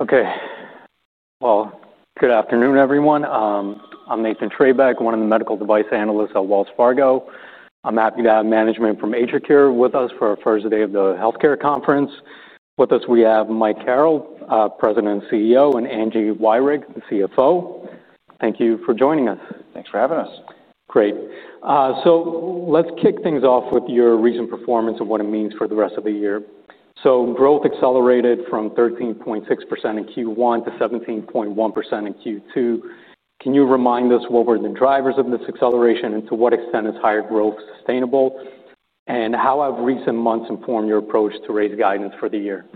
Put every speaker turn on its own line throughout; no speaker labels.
Okay. Well, good afternoon, everyone. I'm Nathan Treybeck, one of the medical device analysts at Wells Fargo. I'm happy to have management from AtriCure with us for our first day of the healthcare conference. With us, we have Mike Carrel, President and CEO, and Angie Wirick, the CFO. Thank you for joining us.
Thanks for having us.
Great. So let's kick things off with your recent performance and what it means for the rest of the year. So growth accelerated from 13.6% in Q1 to 17.1% in Q2. Can you remind us what were the drivers of this acceleration, and to what extent is higher growth sustainable? And how have recent months informed your approach to raise guidance for the year?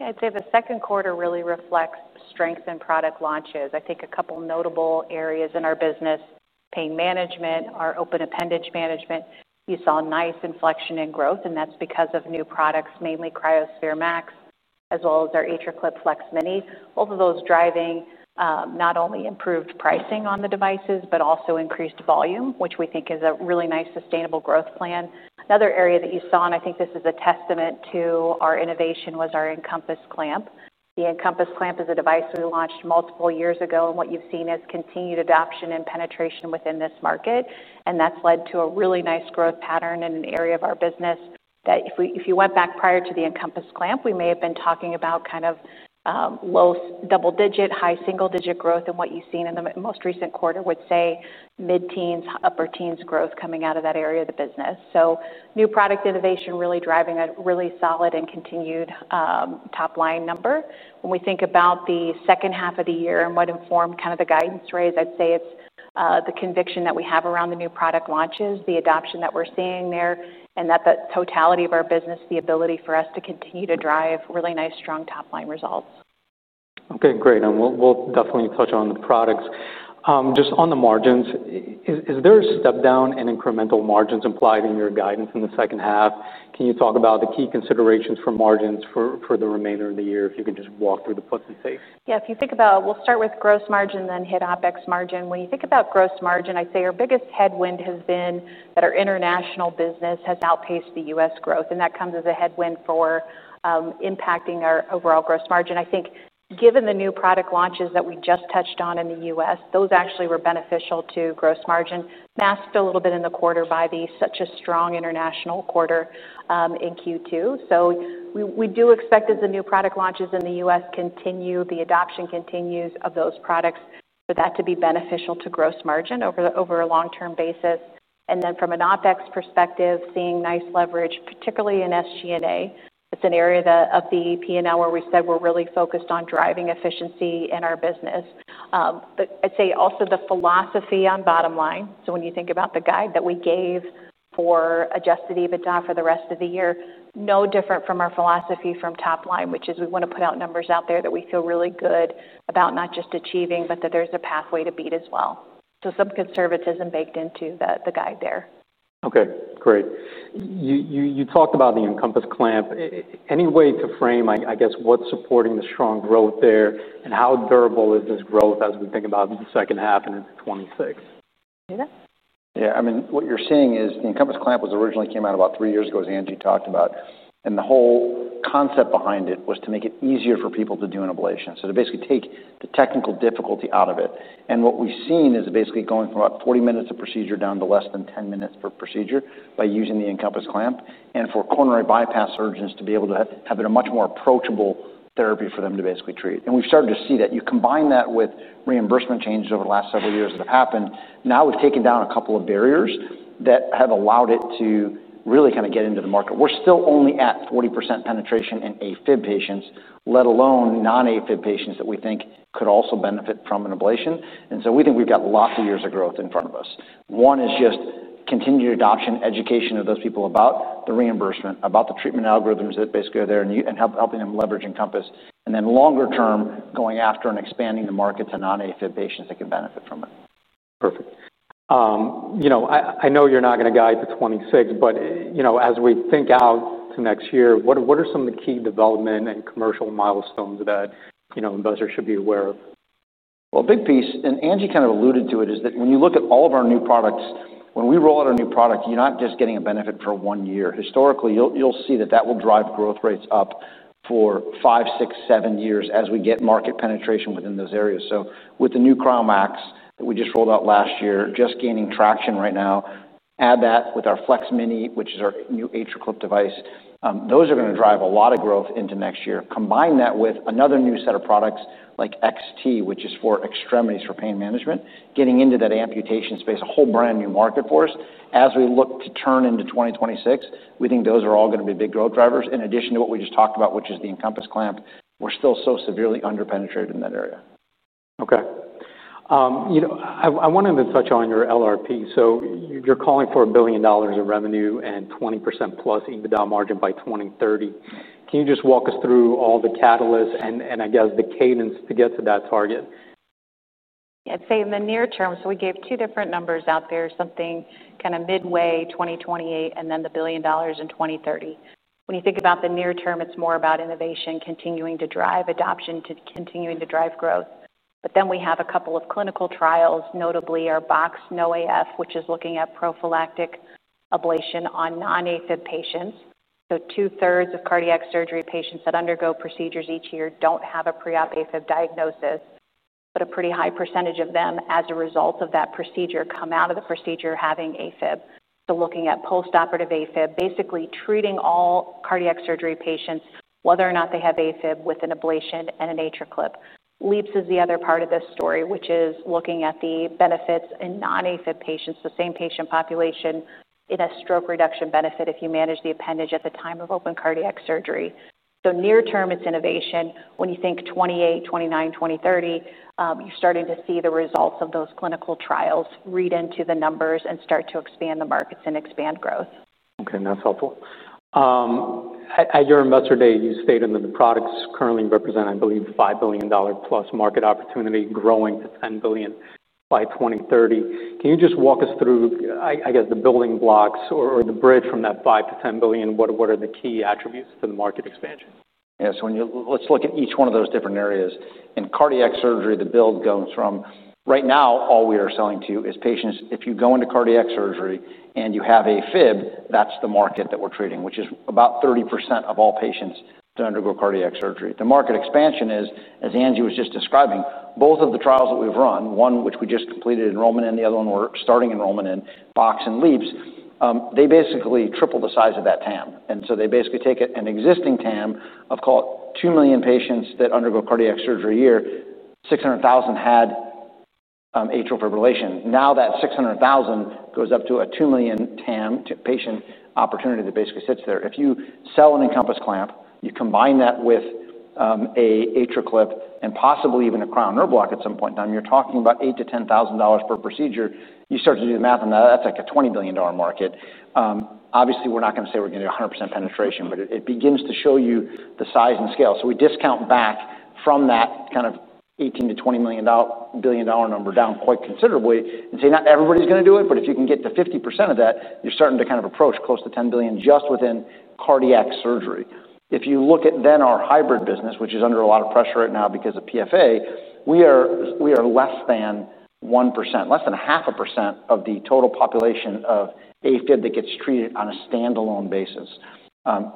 I'd say the second quarter really reflects strength in product launches. I think a couple notable areas in our business: pain management, our open appendage management. We saw a nice inflection in growth, and that's because of new products, mainly cryoSPHERE+, as well as our AtriClip FLEX-Mini. Both of those driving not only improved pricing on the devices but also increased volume, which we think is a really nice sustainable growth plan. Another area that you saw, and I think this is a testament to our innovation, was our Encompass clamp. The Encompass clamp is a device we launched multiple years ago, and what you've seen is continued adoption and penetration within this market, and that's led to a really nice growth pattern in an area of our business that if you went back prior to the Encompass clamp, we may have been talking about kind of low double digit, high single digit growth. And what you've seen in the most recent quarter would say mid-teens, upper teens growth coming out of that area of the business. So new product innovation really driving a really solid and continued top-line number. When we think about the second half of the year and what informed kind of the guidance raise, I'd say it's the conviction that we have around the new product launches, the adoption that we're seeing there, and that the totality of our business, the ability for us to continue to drive really nice, strong top-line results.
Okay, great, and we'll definitely touch on the products. Just on the margins, is there a step down in incremental margins implied in your guidance in the second half? Can you talk about the key considerations for margins for the remainder of the year? If you can just walk through the puts and takes.
Yeah, if you think about... We'll start with gross margin, then hit OpEx margin. When you think about gross margin, I'd say our biggest headwind has been that our international business has outpaced the U.S. growth, and that comes as a headwind for impacting our overall gross margin. I think given the new product launches that we just touched on in the U.S., those actually were beneficial to gross margin, masked a little bit in the quarter by such a strong international quarter in Q2. So we do expect as the new product launches in the U.S. continue, the adoption continues of those products, for that to be beneficial to gross margin over a long-term basis. And then from an OpEx perspective, seeing nice leverage, particularly in SG&A. It's an area that of the P&L where we said we're really focused on driving efficiency in our business. But I'd say also the philosophy on bottom line, so when you think about the guide that we gave for adjusted EBITDA for the rest of the year, no different from our philosophy from top line, which is we want to put out numbers out there that we feel really good about not just achieving but that there's a pathway to beat as well. So some conservatism baked into the guide there.
Okay, great. You talked about the Encompass clamp. Any way to frame, I guess, what's supporting the strong growth there, and how durable is this growth as we think about the second half into twenty twenty-six?
Yeah.
Yeah. I mean, what you're seeing is the Encompass clamp was originally came out about three years ago, as Angie talked about, and the whole concept behind it was to make it easier for people to do an ablation. So to basically take the technical difficulty out of it, and what we've seen is basically going from about 40 minutes of procedure down to less than 10 minutes per procedure by using the Encompass clamp. And for coronary bypass surgeons to be able to have it a much more approachable therapy for them to basically treat. And we've started to see that. You combine that with reimbursement changes over the last several years that have happened, now we've taken down a couple of barriers that have allowed it to really kind of get into the market. We're still only at 40% penetration in AFib patients, let alone non-AFib patients, that we think could also benefit from an ablation, and so we think we've got lots of years of growth in front of us. One is just continued adoption, education of those people about the reimbursement, about the treatment algorithms that basically are there, and helping them leverage Encompass, and then longer term, going after and expanding the market to non-AFib patients that can benefit from it.
Perfect. You know, I know you're not going to guide to twenty-six, but, you know, as we think out to next year, what are some of the key development and commercial milestones that, you know, investors should be aware of?
A big piece, and Angie kind of alluded to it, is that when you look at all of our new products, when we roll out a new product, you're not just getting a benefit for one year. Historically, you'll see that will drive growth rates up for five, six, seven years as we get market penetration within those areas. So with the new CryoMAX that we just rolled out last year, just gaining traction right now, add that with our FLEX-Mini, which is our new AtriClip device, those are going to drive a lot of growth into next year. Combine that with another new set of products like XT, which is for extremities for pain management, getting into that amputation space, a whole brand-new market for us. As we look to turn into 2026, we think those are all going to be big growth drivers, in addition to what we just talked about, which is the Encompass clamp. We're still so severely underpenetrated in that area.
Okay. You know, I wanted to touch on your LRP. So you're calling for $1 billion of revenue and 20%+ EBITDA margin by 2030. Can you just walk us through all the catalysts and I guess the cadence to get to that target?
I'd say in the near term, so we gave two different numbers out there, something kind of midway, 2028, and then $1 billion in 2030. When you think about the near term, it's more about innovation continuing to drive adoption, to continuing to drive growth... but then we have a couple of clinical trials, notably our BOX-NOAF, which is looking at prophylactic ablation on non-AFib patients. So two-thirds of cardiac surgery patients that undergo procedures each year don't have a pre-op AFib diagnosis, but a pretty high percentage of them, as a result of that procedure, come out of the procedure having AFib. So looking at post-operative AFib, basically treating all cardiac surgery patients, whether or not they have AFib, with an ablation and an AtriClip. LeAAPS is the other part of this story, which is looking at the benefits in non-AFib patients, the same patient population, in a stroke reduction benefit if you manage the appendage at the time of open cardiac surgery, so near term, it's innovation. When you think 2028, 2029, 2030, you're starting to see the results of those clinical trials read into the numbers and start to expand the markets and expand growth.
Okay, that's helpful. At your investor day, you stated that the products currently represent, I believe, $5 billion-plus market opportunity, growing to $10 billion by 2030. Can you just walk us through, I guess, the building blocks or the bridge from that five to ten billion? What are the key attributes to the market expansion?
Yeah, so let's look at each one of those different areas. In cardiac surgery, the build goes from right now, all we are selling to is patients. If you go into cardiac surgery and you have AFib, that's the market that we're treating, which is about 30% of all patients that undergo cardiac surgery. The market expansion is, as Angie was just describing, both of the trials that we've run, one which we just completed enrollment in, the other one we're starting enrollment in, BOX and LeAAPS. They basically triple the size of that TAM. And so they basically take an existing TAM of, call it, 2 million patients that undergo cardiac surgery a year, 600,000 had atrial fibrillation. Now that 600,000 goes up to a 2 million TAM to patient opportunity that basically sits there. If you sell an Encompass clamp, you combine that with a AtriClip and possibly even a cryo nerve block at some point in time, you're talking about $8,000-$10,000 per procedure. You start to do the math on that, that's like a $20 billion market. Obviously, we're not going to say we're going to get 100% penetration, but it begins to show you the size and scale. We discount back from that kind of 18-20 million dollar, billion dollar number down quite considerably and say, not everybody's going to do it, but if you can get to 50% of that, you're starting to kind of approach close to $10 billion just within cardiac surgery. If you look at then our hybrid business, which is under a lot of pressure right now because of PFA, we are less than 1%, less than 0.5% of the total population of AFib that gets treated on a standalone basis.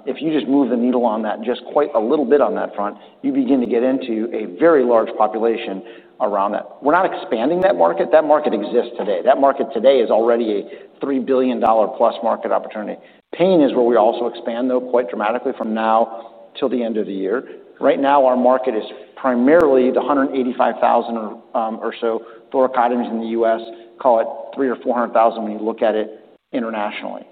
If you just move the needle on that just quite a little bit on that front, you begin to get into a very large population around that. We're not expanding that market. That market exists today. That market today is already a $3 billion plus market opportunity. Pain is where we also expand, though, quite dramatically from now till the end of the year. Right now, our market is primarily the 185,000 or so thoracotomies in the U.S. Call it 300,000 or 400,000 when you look at it internationally.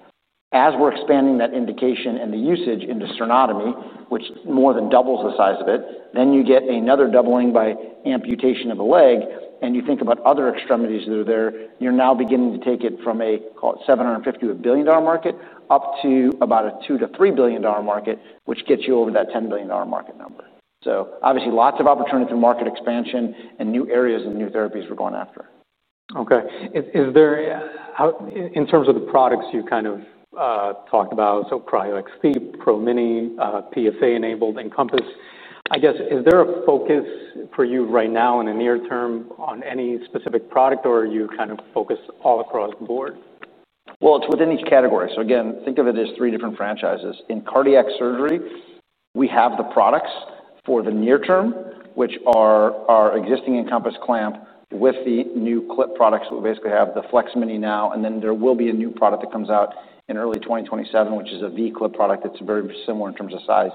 As we're expanding that indication and the usage into sternotomy, which more than doubles the size of it, then you get another doubling by amputation of a leg, and you think about other extremities that are there. You're now beginning to take it from a, call it, $750 million-$1 billion market, up to about a $2-$3 billion market, which gets you over that $10 billion market number. So obviously, lots of opportunity for market expansion and new areas and new therapies we're going after.
Okay. How in terms of the products you kind of talked about, so cryoXT, PRO-Mini, PFA-enabled Encompass, I guess, is there a focus for you right now in the near term on any specific product, or are you kind of focused all across the board?
It's within each category. So again, think of it as three different franchises. In cardiac surgery, we have the products for the near term, which are our existing Encompass clamp with the new clip products. We basically have the FLEX-Mini now, and then there will be a new product that comes out in early 2027, which is a V clip product that's very similar in terms of size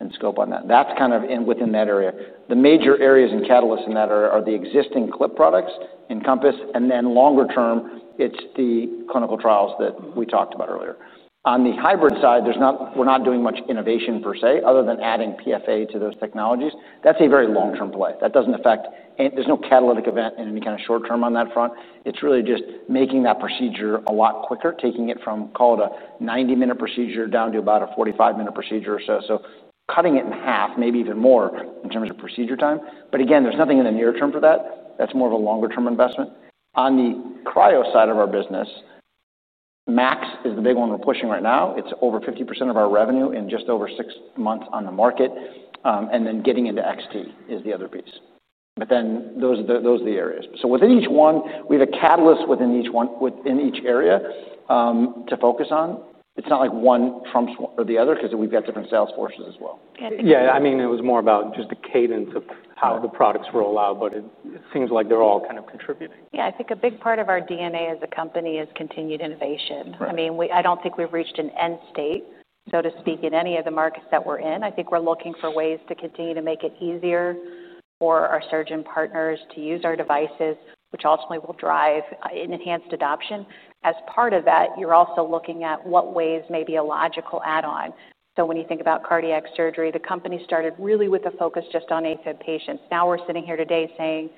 and scope on that. That's kind of within that area. The major areas and catalysts in that are the existing clip products, Encompass, and then longer term, it's the clinical trials that we talked about earlier. On the hybrid side, we're not doing much innovation per se, other than adding PFA to those technologies. That's a very long-term play. That doesn't affect. There's no catalytic event in any kind of short term on that front. It's really just making that procedure a lot quicker, taking it from, call it, a ninety-minute procedure down to about a forty-five-minute procedure or so. So cutting it in half, maybe even more in terms of procedure time. But again, there's nothing in the near term for that. That's more of a longer-term investment. On the cryo side of our business, Max is the big one we're pushing right now. It's over 50% of our revenue in just over six months on the market. And then getting into XT is the other piece. But then those are the areas. So within each one, we have a catalyst within each area to focus on. It's not like one trumps one or the other, because we've got different sales forces as well.
And-
Yeah, I mean, it was more about just the cadence of-
Yeah
how the products roll out, but it seems like they're all kind of contributing.
Yeah, I think a big part of our DNA as a company is continued innovation.
Right.
I mean, I don't think we've reached an end state, so to speak, in any of the markets that we're in. I think we're looking for ways to continue to make it easier for our surgeon partners to use our devices, which ultimately will drive an enhanced adoption. As part of that, you're also looking at what ways may be a logical add-on. So when you think about cardiac surgery, the company started really with a focus just on AFib patients. Now, we're sitting here today saying: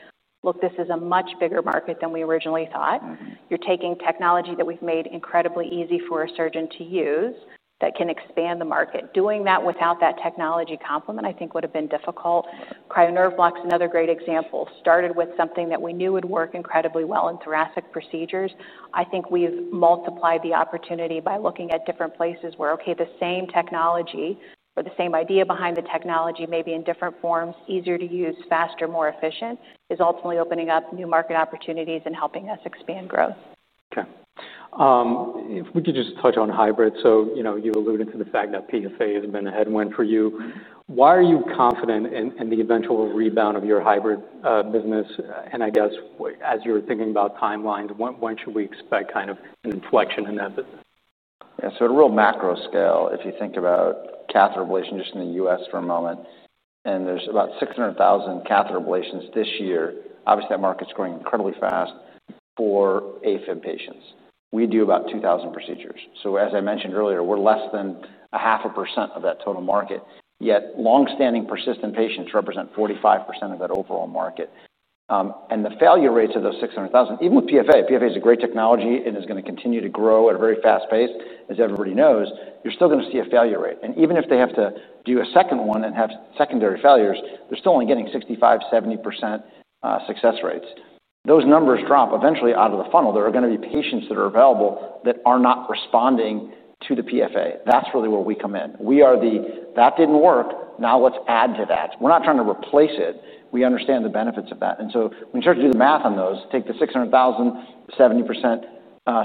Look, this is a much bigger market than we originally thought.
Mm-hmm.
You're taking technology that we've made incredibly easy for a surgeon to use that can expand the market. Doing that without that technology complement, I think, would have been difficult. Cryo nerve block's another great example. Started with something that we knew would work incredibly well in thoracic procedures. I think we've multiplied the opportunity by looking at different places where, okay, the same technology or the same idea behind the technology may be in different forms, easier to use, faster, more efficient, is ultimately opening up new market opportunities and helping us expand growth.
If we could just touch on hybrid. You know, you alluded to the fact that PFA has been a headwind for you. Why are you confident in the eventual rebound of your hybrid business? And I guess as you're thinking about timelines, when should we expect kind of an inflection in that business?
Yeah, so at a real macro scale, if you think about catheter ablation just in the U.S. for a moment, and there's about 600,000 catheter ablations this year. Obviously, that market's growing incredibly fast for AFib patients. We do about 2,000 procedures. So as I mentioned earlier, we're less than 0.5% of that total market, yet long-standing persistent patients represent 45% of that overall market. And the failure rates of those 600,000, even with PFA, PFA is a great technology and is gonna continue to grow at a very fast pace, as everybody knows, you're still gonna see a failure rate. And even if they have to do a second one and have secondary failures, they're still only getting 65-70% success rates. Those numbers drop eventually out of the funnel. There are gonna be patients that are available that are not responding to the PFA. That's really where we come in. We are the, "That didn't work, now let's add to that." We're not trying to replace it. We understand the benefits of that. And so when you start to do the math on those, take the 600,000, 70%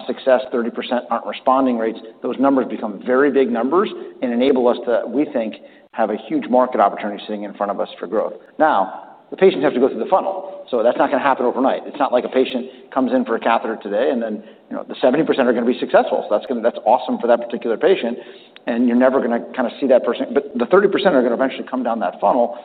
success, 30% aren't responding rates, those numbers become very big numbers and enable us to, we think, have a huge market opportunity sitting in front of us for growth. Now, the patients have to go through the funnel, so that's not gonna happen overnight. It's not like a patient comes in for a catheter today, and then, you know, the 70% are gonna be successful. So that's gonna... That's awesome for that particular patient, and you're never gonna kinda see that person. But the 30% are gonna eventually come down that funnel.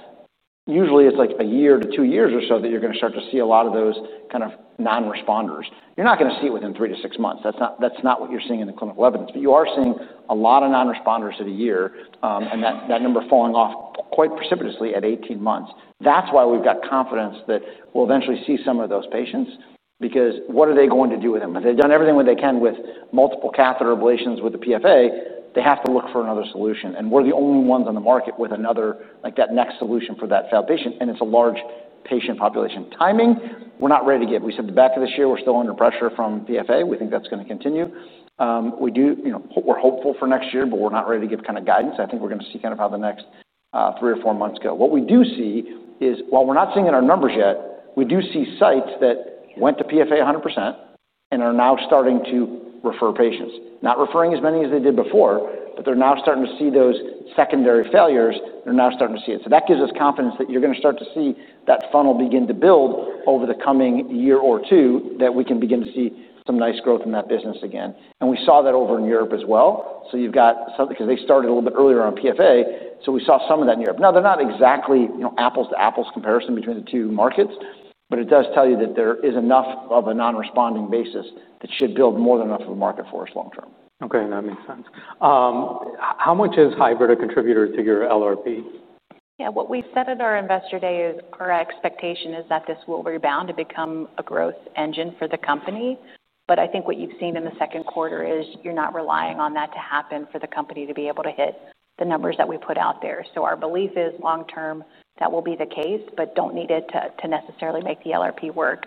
Usually, it's like a year to two years or so that you're gonna start to see a lot of those kind of non-responders. You're not gonna see it within three to six months. That's not what you're seeing in the clinical evidence. But you are seeing a lot of non-responders of the year, and that number falling off quite precipitously at 18 months. That's why we've got confidence that we'll eventually see some of those patients, because what are they going to do with them? If they've done everything what they can with multiple catheter ablations with the PFA, they have to look for another solution, and we're the only ones on the market with another, like, that next solution for that failed patient, and it's a large patient population. Timing, we're not ready to give. We said the back of this year, we're still under pressure from PFA. We think that's gonna continue. You know, we're hopeful for next year, but we're not ready to give kind of guidance. I think we're gonna see kind of how the next three or four months go. What we do see is, while we're not seeing it in our numbers yet, we do see sites that went to PFA 100% and are now starting to refer patients. Not referring as many as they did before, but they're now starting to see those secondary failures. They're now starting to see it. So that gives us confidence that you're gonna start to see that funnel begin to build over the coming year or two, that we can begin to see some nice growth in that business again. And we saw that over in Europe as well. So you've got some because they started a little bit earlier on PFA, so we saw some of that in Europe. Now, they're not exactly, you know, apples to apples comparison between the two markets, but it does tell you that there is enough of a non-responding basis that should build more than enough of a market for us long term.
Okay, that makes sense. How much is hybrid a contributor to your LRP?
Yeah. What we said at our Investor Day is our expectation is that this will rebound to become a growth engine for the company. But I think what you've seen in the second quarter is you're not relying on that to happen for the company to be able to hit the numbers that we put out there. So our belief is, long term, that will be the case, but don't need it to necessarily make the LRP work.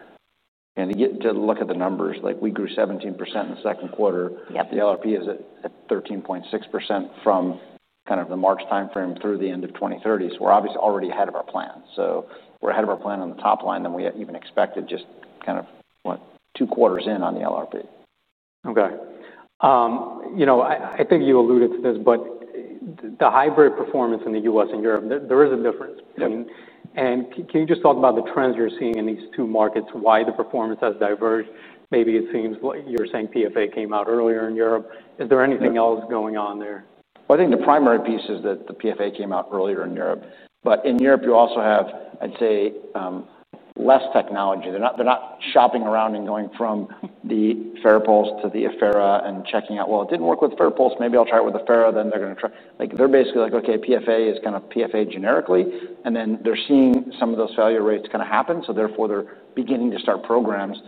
To get to look at the numbers, like, we grew 17% in the second quarter.
Yep.
The LRP is at 13.6% from kind of the March timeframe through the end of 2030. So we're obviously already ahead of our plan. So we're ahead of our plan on the top line than we had even expected, just kind of, what, two quarters in on the LRP.
Okay. You know, I think you alluded to this, but the hybrid performance in the U.S. and Europe, there is a difference between-
Yep.
And can you just talk about the trends you're seeing in these two markets, why the performance has diverged? Maybe it seems like you're saying PFA came out earlier in Europe.
Yep.
Is there anything else going on there?
I think the primary piece is that the PFA came out earlier in Europe. But in Europe, you also have, I'd say, less technology. They're not shopping around and going from the Farapulse to the Affera and checking out, "Well, it didn't work with Farapulse. Maybe I'll try it with Affera," then they're gonna try. Like, they're basically like: Okay, PFA is kind of PFA generically, and then they're seeing some of those failure rates kinda happen, so therefore, they're beginning to start programs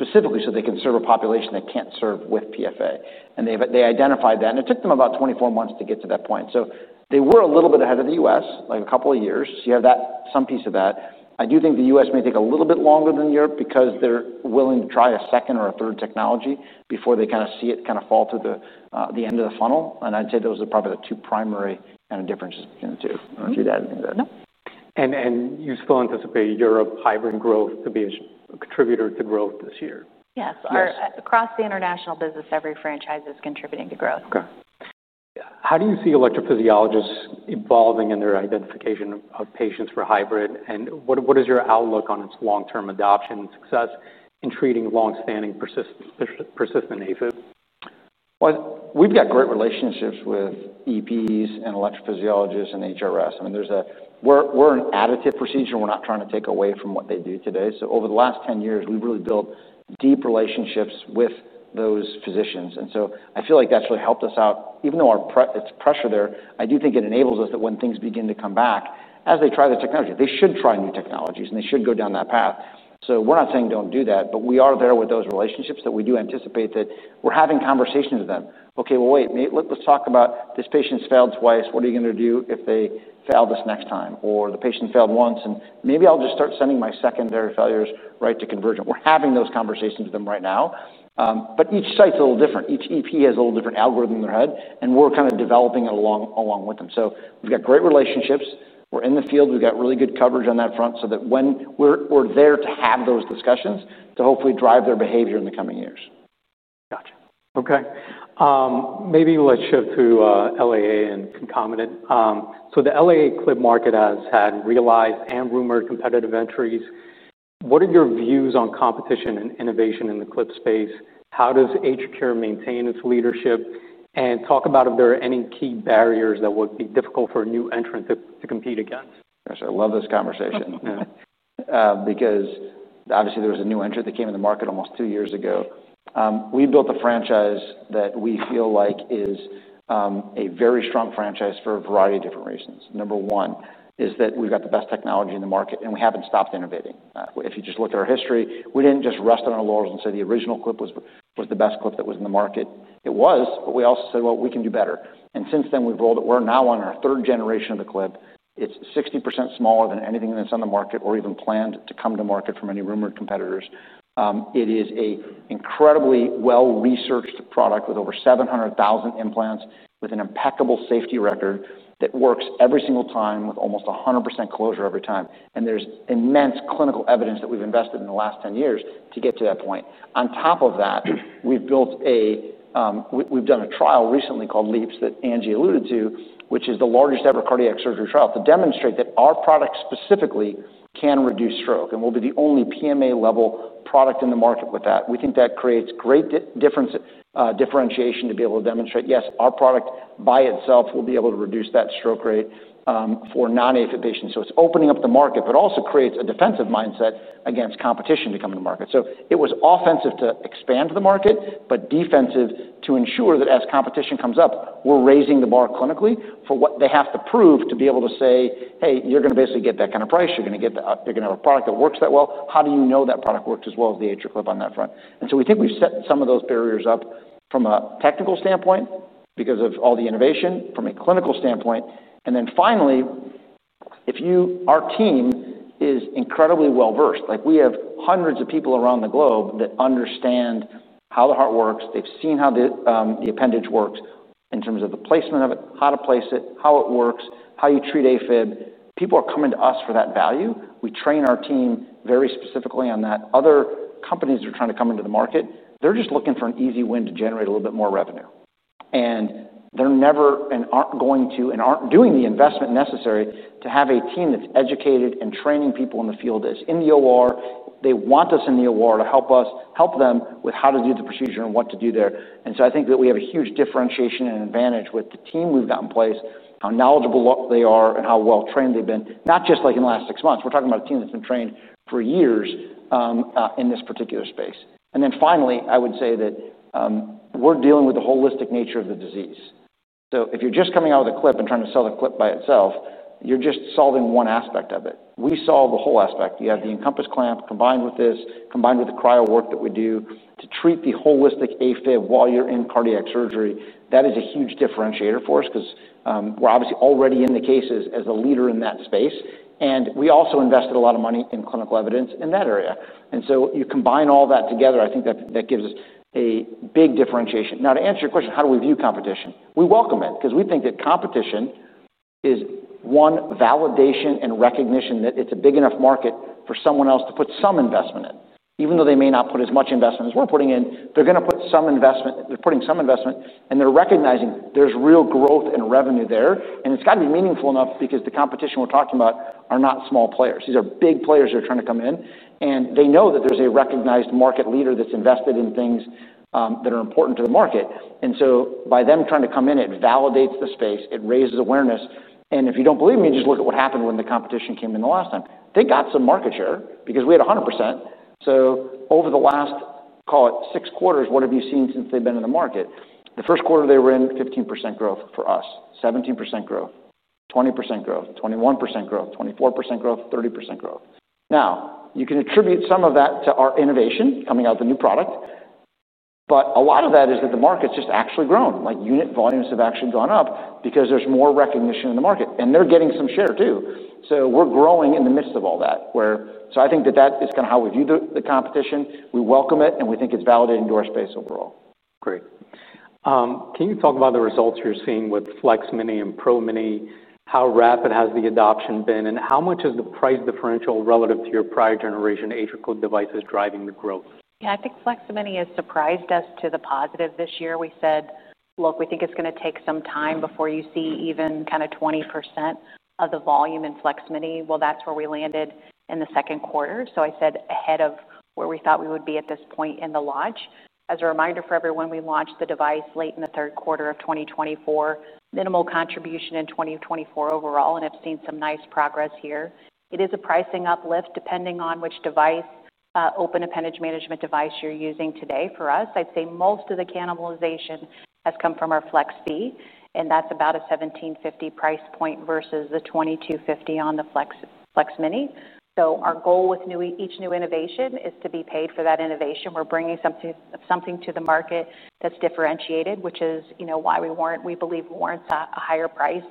specifically so they can serve a population they can't serve with PFA. And they've identified that, and it took them about 24 months to get to that point. So they were a little bit ahead of the U.S., like a couple of years. So you have that, some piece of that. I do think the U.S. may take a little bit longer than Europe because they're willing to try a second or a third technology before they kinda see it kinda fall to the end of the funnel, and I'd say those are probably the two primary kinda differences between the two. Do you see that as well?
No.
You still anticipate Europe hybrid growth to be a contributor to growth this year?
Yes.
Yes.
Across the international business, every franchise is contributing to growth.
Okay. How do you see electrophysiologists evolving in their identification of patients for hybrid, and what is your outlook on its long-term adoption and success in treating long-standing persistent AFib?
Well, we've got great relationships with EPs and electrophysiologists and HRS. I mean, we're an additive procedure. We're not trying to take away from what they do today. So over the last ten years, we've really built deep relationships with those physicians, and so I feel like that's really helped us out. Even though there's pressure there, I do think it enables us, that when things begin to come back, as they try the technology, they should try new technologies, and they should go down that path. So we're not saying don't do that, but we are there with those relationships that we do anticipate, that we're having conversations with them. "Okay, well, wait, let's talk about this patient's failed twice. What are you gonna do if they fail this next time?" Or, "The patient failed once, and maybe I'll just start sending my secondary failures right to Convergent." We're having those conversations with them right now. But each site's a little different. Each EP has a little different algorithm in their head, and we're kind of developing it along with them. So we've got great relationships. We're in the field. We've got really good coverage on that front so that when we're there to have those discussions to hopefully drive their behavior in the coming years.
Okay. Maybe let's shift to LAA and concomitant. So the LAA clip market has had realized and rumored competitive entries. What are your views on competition and innovation in the clip space? How does AtriCure maintain its leadership? And talk about if there are any key barriers that would be difficult for a new entrant to compete against.
Yes, I love this conversation. Because obviously there was a new entrant that came in the market almost two years ago. We built a franchise that we feel like is a very strong franchise for a variety of different reasons. Number one is that we've got the best technology in the market, and we haven't stopped innovating. If you just look at our history, we didn't just rest on our laurels and say the original clip was the best clip that was in the market. It was, but we also said, "Well, we can do better." And since then, we've rolled it. We're now on our third generation of the clip. It's 60% smaller than anything that's on the market or even planned to come to market from any rumored competitors. It is an incredibly well-researched product with over 700,000 implants, with an impeccable safety record, that works every single time with almost 100% closure every time. And there's immense clinical evidence that we've invested in the last 10 years to get to that point. On top of that, we've built a. We've done a trial recently called LeAAPS, that Angie alluded to, which is the largest-ever cardiac surgery trial, to demonstrate that our product specifically can reduce stroke and we'll be the only PMA-level product in the market with that. We think that creates great differentiation to be able to demonstrate, yes, our product by itself will be able to reduce that stroke rate, for non-AFib patients. So it's opening up the market, but also creates a defensive mindset against competition to come in the market. So it was offensive to expand the market, but defensive to ensure that as competition comes up, we're raising the bar clinically for what they have to prove to be able to say, "Hey, you're gonna basically get that kind of price. You're gonna get the, you're gonna have a product that works that well. How do you know that product works as well as the AtriClip on that front?" And so we think we've set some of those barriers up from a technical standpoint because of all the innovation from a clinical standpoint. And then finally, if you- our team is incredibly well-versed. Like, we have hundreds of people around the globe that understand how the heart works. They've seen how the, the appendage works in terms of the placement of it, how to place it, how it works, how you treat AFib. People are coming to us for that value. We train our team very specifically on that. Other companies are trying to come into the market, they're just looking for an easy win to generate a little bit more revenue. And they're never going to do the investment necessary to have a team that's educated and training people in the field that's in the OR. They want us in the OR to help them with how to do the procedure and what to do there. And so I think that we have a huge differentiation and advantage with the team we've got in place, how knowledgeable they are and how well-trained they've been, not just like in the last six months. We're talking about a team that's been trained for years in this particular space. And then finally, I would say that, we're dealing with the holistic nature of the disease. So if you're just coming out with a clip and trying to sell the clip by itself, you're just solving one aspect of it. We solve the whole aspect. You have the Encompass clamp combined with this, combined with the cryo work that we do to treat the holistic AFib while you're in cardiac surgery. That is a huge differentiator for us 'cause, we're obviously already in the cases as a leader in that space, and we also invested a lot of money in clinical evidence in that area. And so you combine all that together, I think that gives us a big differentiation. Now, to answer your question, how do we view competition? We welcome it because we think that competition is, one, validation and recognition that it's a big enough market for someone else to put some investment in. Even though they may not put as much investment as we're putting in, they're gonna put some investment, they're putting some investment, and they're recognizing there's real growth and revenue there. And it's got to be meaningful enough because the competition we're talking about are not small players. These are big players that are trying to come in, and they know that there's a recognized market leader that's invested in things that are important to the market. And so by them trying to come in, it validates the space, it raises awareness, and if you don't believe me, just look at what happened when the competition came in the last time. They got some market share because we had 100%. So over the last, call it six quarters, what have you seen since they've been in the market? The first quarter they were in, 15% growth for us, 17% growth, 20% growth, 21% growth, 24% growth, 30% growth. Now, you can attribute some of that to our innovation coming out with a new product, but a lot of that is that the market's just actually grown. Like, unit volumes have actually gone up because there's more recognition in the market, and they're getting some share, too. So we're growing in the midst of all that, where... So I think that that is kind of how we view the, the competition. We welcome it, and we think it's validating to our space overall.
Great. Can you talk about the results you're seeing with FLEX Mini and PRO Mini? How rapid has the adoption been, and how much is the price differential relative to your prior generation AtriClip devices driving the growth?
Yeah, I think FLEX-Mini has surprised us to the positive this year. We said, "Look, we think it's gonna take some time before you see even kind of 20% of the volume in FLEX-Mini." Well, that's where we landed in the second quarter, so I said ahead of where we thought we would be at this point in the launch. As a reminder for everyone, we launched the device late in the third quarter of 2024. Minimal contribution in 2024 overall, and I've seen some nice progress here. It is a pricing uplift, depending on which device open appendage management device you're using today. For us, I'd say most of the cannibalization has come from our FLEX V, and that's about a $1,750 price point versus the $2,250 on the FLEX, FLEX-Mini. Our goal with each new innovation is to be paid for that innovation. We're bringing something to the market that's differentiated, which is, you know, why we believe warrants a higher price.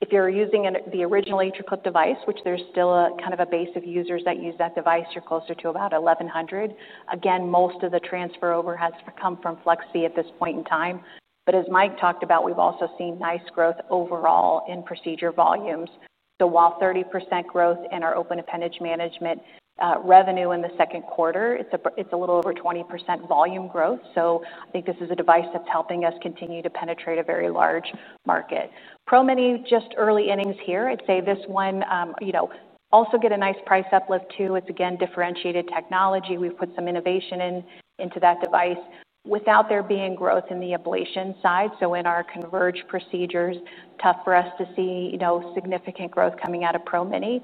If you're using the original AtriClip device, which there's still a kind of base of users that use that device, you're closer to about $1,100. Again, most of the transfer over has come from FLEX V at this point in time. But as Mike talked about, we've also seen nice growth overall in procedure volumes. While 30% growth in our open appendage management revenue in the second quarter, it's a little over 20% volume growth. So I think this is a device that's helping us continue to penetrate a very large market. Pro-Mini, just early innings here. I'd say this one, you know, also get a nice price uplift, too. It's, again, differentiated technology. We've put some innovation into that device. Without there being growth in the ablation side, so in our Convergent procedures, tough for us to see, you know, significant growth coming out of Pro-Mini.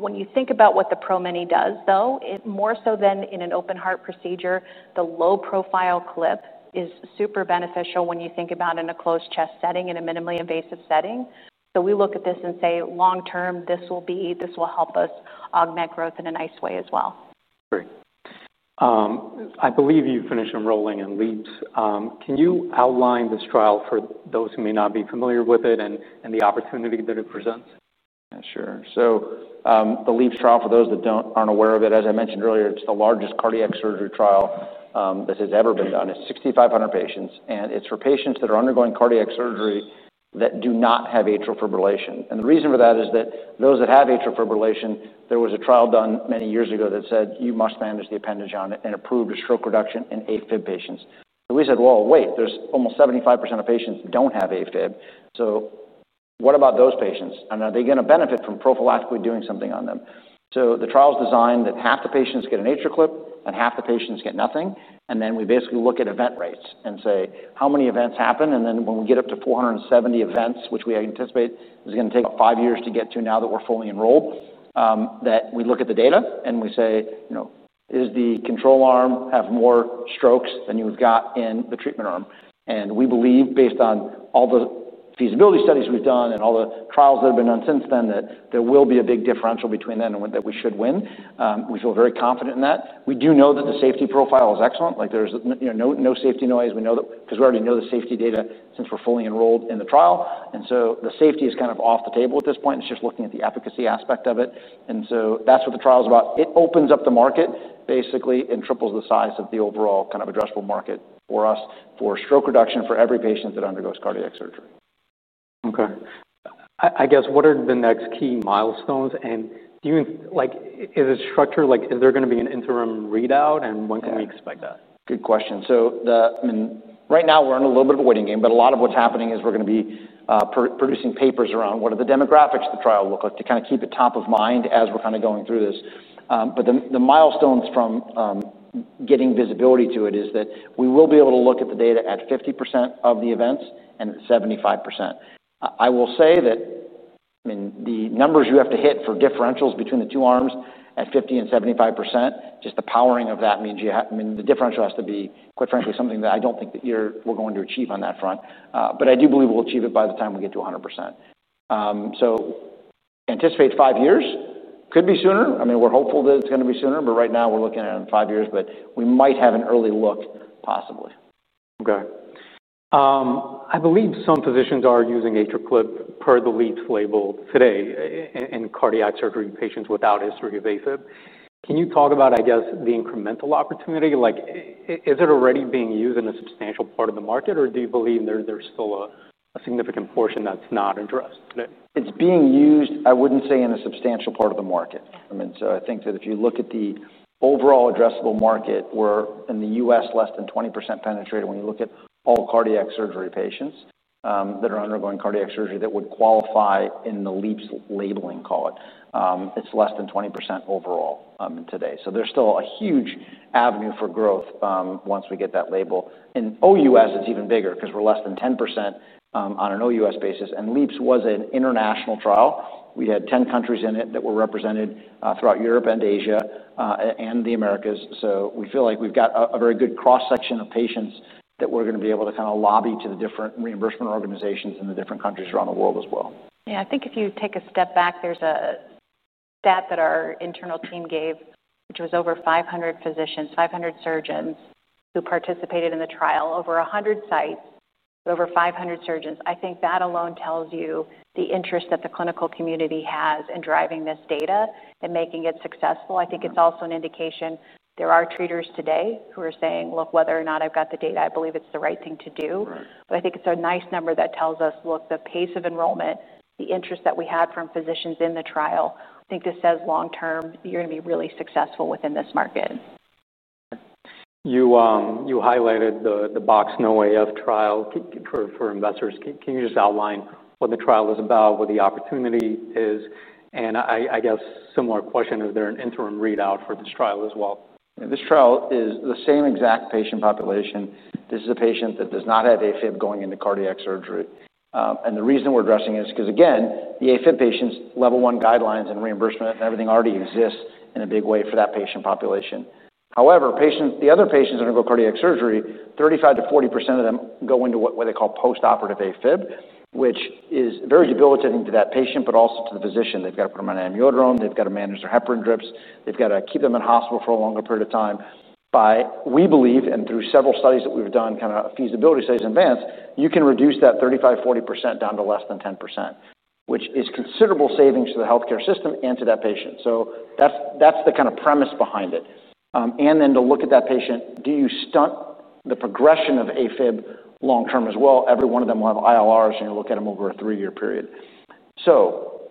When you think about what the Pro-Mini does, though, it more so than in an open heart procedure, the low profile clip is super beneficial when you think about in a closed chest setting, in a minimally invasive setting. So we look at this and say, long term, this will be this will help us augment growth in a nice way as well.
Great. I believe you finished enrolling in LeAAPS. Can you outline this trial for those who may not be familiar with it and the opportunity that it presents?
Yeah, sure. So, the LeAAPS trial, for those that don't-- aren't aware of it, as I mentioned earlier, it's the largest cardiac surgery trial that has ever been done. It's 6,500 patients, and it's for patients that are undergoing cardiac surgery that do not have atrial fibrillation. And the reason for that is that those that have atrial fibrillation, there was a trial done many years ago that said, "You must manage the appendage on it," and approved a stroke reduction in AFib patients. So we said: Well, wait, there's almost 75% of patients who don't have AFib, so what about those patients? And are they going to benefit from prophylactically doing something on them? The trial is designed that half the patients get an AtriClip and half the patients get nothing, and then we basically look at event rates and say, "How many events happened?" And then when we get up to 470 events, which we anticipate is going to take about 5 years to get to now that we're fully enrolled, that we look at the data and we say, you know, "Does the control arm have more strokes than you've got in the treatment arm?" And we believe, based on all the feasibility studies we've done and all the trials that have been done since then, that there will be a big differential between them and that we should win. We feel very confident in that. We do know that the safety profile is excellent. Like, there's, you know, no, no safety noise. We know that because we already know the safety data since we're fully enrolled in the trial, and so the safety is kind of off the table at this point. It's just looking at the efficacy aspect of it, and so that's what the trial is about. It opens up the market, basically, and triples the size of the overall kind of addressable market for us, for stroke reduction for every patient that undergoes cardiac surgery.
Okay. I guess, what are the next key milestones, and do you... Like, is it structured? Like, is there going to be an interim readout, and when can we expect that?
Good question. So the, I mean, right now we're in a little bit of a waiting game, but a lot of what's happening is we're going to be producing papers around what are the demographics of the trial look like, to kind of keep it top of mind as we're kind of going through this. But the milestones from getting visibility to it is that we will be able to look at the data at 50% of the events and at 75%. I will say that, I mean, the numbers you have to hit for differentials between the two arms at 50% and 75%, just the powering of that means the differential has to be, quite frankly, something that I don't think that we're going to achieve on that front. But I do believe we'll achieve it by the time we get to 100%, so anticipate five years. Could be sooner. I mean, we're hopeful that it's going to be sooner, but right now we're looking at five years, but we might have an early look, possibly.
Okay. I believe some physicians are using AtriClip per the LeAAPS label today in cardiac surgery in patients without a history of AFib. Can you talk about, I guess, the incremental opportunity? Like, is it already being used in a substantial part of the market, or do you believe there, there's still a significant portion that's not addressed today?
It's being used, I wouldn't say, in a substantial part of the market. I mean, so I think that if you look at the overall addressable market, we're in the US, less than 20% penetrated when you look at all cardiac surgery patients that are undergoing cardiac surgery that would qualify in the LeAAPS labeling, call it. It's less than 20% overall, today, so there's still a huge avenue for growth once we get that label. In OUS, it's even bigger because we're less than 10% on an OUS basis, and LeAAPS was an international trial. We had 10 countries in it that were represented throughout Europe and Asia and the Americas. So we feel like we've got a very good cross-section of patients that we're going to be able to kind of lobby to the different reimbursement organizations in the different countries around the world as well.
Yeah. I think if you take a step back, there's a stat that our internal team gave, which was over 500 physicians, 500 surgeons, who participated in the trial. Over 100 sites, over 500 surgeons. I think that alone tells you the interest that the clinical community has in driving this data and making it successful.
Mm-hmm.
I think it's also an indication there are treaters today who are saying: Look, whether or not I've got the data, I believe it's the right thing to do.
Right.
But I think it's a nice number that tells us, look, the pace of enrollment, the interest that we had from physicians in the trial. I think this says long term, you're going to be really successful within this market....
You highlighted the BOX-NOAF trial. For investors, can you just outline what the trial is about, what the opportunity is? And I guess, similar question, is there an interim readout for this trial as well?
This trial is the same exact patient population. This is a patient that does not have AFib going into cardiac surgery, and the reason we're addressing it is because, again, the AFib patients, level one guidelines and reimbursement and everything already exists in a big way for that patient population. However, patients, the other patients that undergo cardiac surgery, 35%-40% of them go into what they call post-operative AFib, which is very debilitating to that patient, but also to the physician. They've got to put them on amiodarone, they've got to manage their heparin drips, they've got to keep them in hospital for a longer period of time. By... We believe, and through several studies that we've done, kind of feasibility studies in advance, you can reduce that 35%-40% down to less than 10%, which is considerable savings to the healthcare system and to that patient. So that's, that's the kind of premise behind it. And then to look at that patient, do you stunt the progression of AFib long term as well? Every one of them will have ILRs, and you look at them over a three-year period. So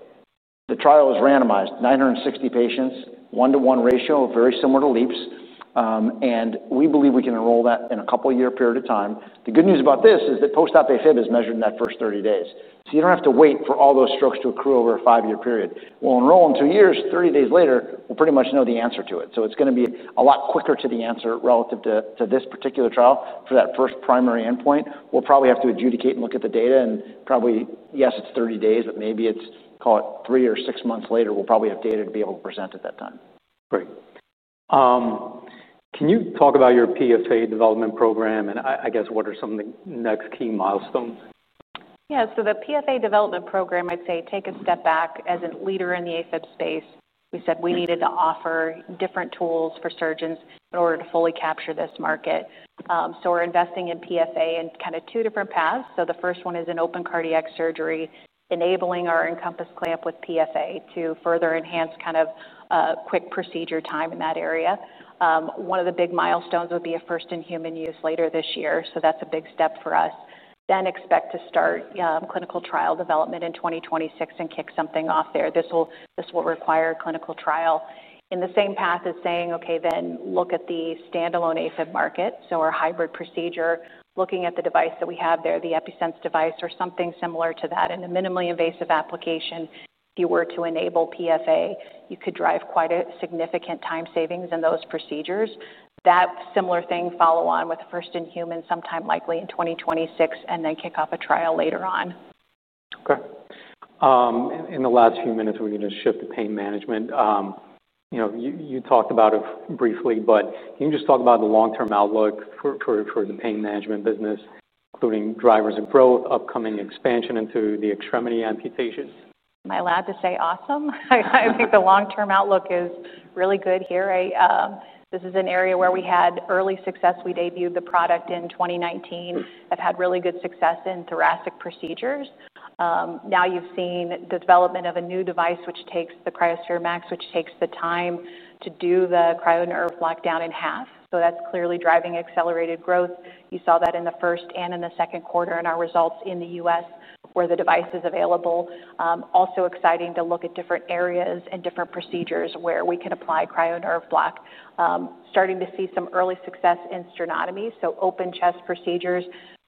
the trial is randomized, 960 patients, one-to-one ratio, very similar to LeAAPS. And we believe we can enroll that in a couple of year period of time. The good news about this is that post-operative AFib is measured in that first 30 days, so you don't have to wait for all those strokes to accrue over a five-year period. We'll enroll in two years, thirty days later, we'll pretty much know the answer to it. So it's gonna be a lot quicker to the answer relative to this particular trial for that first primary endpoint. We'll probably have to adjudicate and look at the data and probably, yes, it's thirty days, but maybe it's, call it three or six months later, we'll probably have data to be able to present at that time.
Great. Can you talk about your PFA development program, and I guess what are some of the next key milestones?
Yeah, so the PFA development program, I'd say, take a step back. As a leader in the AFib space, we said we needed to offer different tools for surgeons in order to fully capture this market. So we're investing in PFA in kind of two different paths. So the first one is in open cardiac surgery, enabling our Encompass clamp with PFA to further enhance kind of quick procedure time in that area. One of the big milestones would be a first-in-human use later this year, so that's a big step for us. Then expect to start clinical trial development in 2026 and kick something off there. This will require a clinical trial. In the same path as saying, "Okay, then look at the standalone AFib market," so our hybrid procedure, looking at the device that we have there, the Epi-Sense device, or something similar to that, in a minimally invasive application. If you were to enable PFA, you could drive quite a significant time savings in those procedures. That similar thing, follow on with the first-in-human, sometime likely in 2026, and then kick off a trial later on.
Okay. In the last few minutes, we're gonna shift to pain management. You know, you talked about it briefly, but can you just talk about the long-term outlook for the pain management business, including drivers of growth, upcoming expansion into the extremity amputations?
Am I allowed to say awesome? I think the long-term outlook is really good here. I, this is an area where we had early success. We debuted the product in twenty nineteen. I've had really good success in thoracic procedures. Now you've seen the development of a new device, which takes the cryoSPHERE+, which takes the time to do the cryo nerve block down in half. So that's clearly driving accelerated growth. You saw that in the first and in the second quarter in our results in the US, where the device is available. Also exciting to look at different areas and different procedures where we can apply cryo nerve block. Starting to see some early success in sternotomy, so open chest procedures.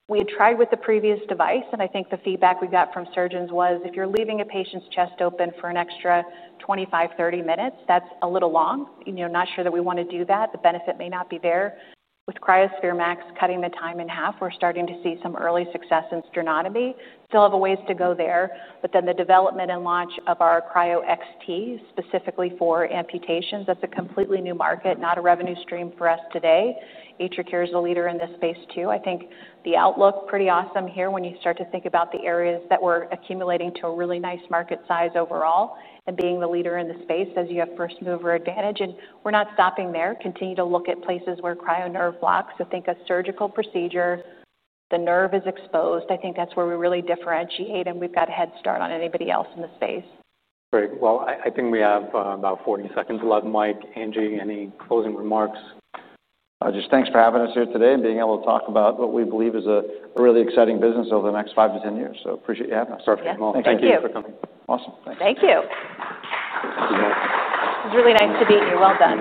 We had tried with the previous device, and I think the feedback we got from surgeons was, "If you're leaving a patient's chest open for an extra twenty-five, thirty minutes, that's a little long. You know, not sure that we want to do that. The benefit may not be there." With cryoSPHERE+ cutting the time in half, we're starting to see some early success in sternotomy. Still have a ways to go there, but then the development and launch of our cryoXT, specifically for amputations, that's a completely new market, not a revenue stream for us today. AtriCure is a leader in this space, too. I think the outlook pretty awesome here when you start to think about the areas that we're accumulating to a really nice market size overall and being the leader in the space as you have first-mover advantage, and we're not stopping there. Continue to look at places where Cryo nerve blocks, so think a surgical procedure, the nerve is exposed. I think that's where we really differentiate, and we've got a head start on anybody else in the space.
Great. Well, I think we have about forty seconds left. Mike, Angie, any closing remarks?
Just thanks for having us here today and being able to talk about what we believe is a really exciting business over the next five to ten years, so appreciate you having us.
Perfect.
Yeah.
Thank you.
Thank you for coming.
Awesome. Thanks.
Thank you. It's really nice to meet you. Well done.